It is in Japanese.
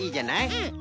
うん。